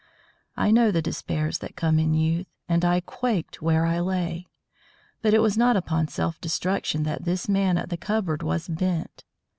I know the despairs that come in youth, and I quaked where I lay; but it was not upon self destruction that this man at the cupboard was bent.